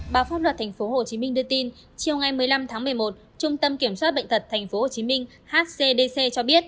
báo pháp luật tp hcm đưa tin chiều ngày một mươi năm tháng một mươi một trung tâm kiểm soát bệnh tật tp hcm hcdc cho biết